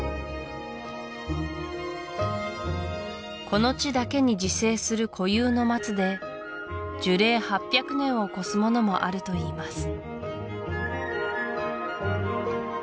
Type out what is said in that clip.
この地だけに自生する固有の松で樹齢８００年を超すものもあるといいます